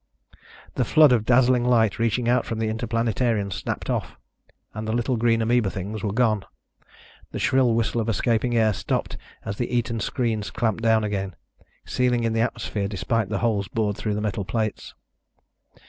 The flood of dazzling light reaching out from the Interplanetarian snapped off and the little green ameba things were gone. The shrill whistle of escaping air stopped as the eaten screens clamped down again, sealing in the atmosphere despite the holes bored through the metal plates.